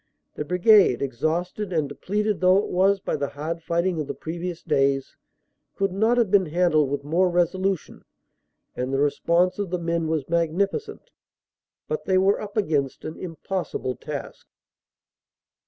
The Brigade, exhausted and depleted though it was by the hard fighting of the previous days, could not have been handled with more resolution, and the response of the men was magnificent, but they were up against an impossible task.